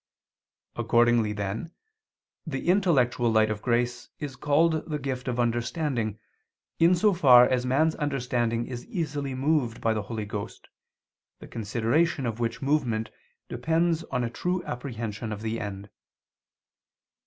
Accordingly then, the intellectual light of grace is called the gift of understanding, in so far as man's understanding is easily moved by the Holy Ghost, the consideration of which movement depends on a true apprehension of the end.